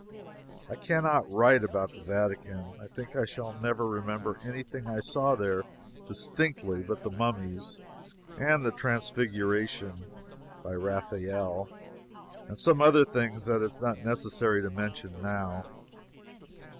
I can not write about the Vatican. I think I shall never remember any thing I saw there distinctly but the mummies, and the Transfiguration, by Raphael, and some other things it is not necessary to mention now.